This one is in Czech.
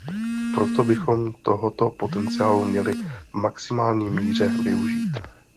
Proto bychom tohoto potenciálu měli v maximální míře využít.